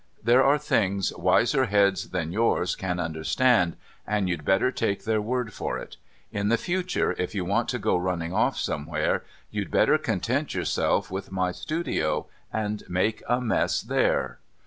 There are things wiser heads than yours can understand, and you'd better take their word for it. In the future, if you want to go running off somewhere, you'd better content yourself with my studio and make a mess there."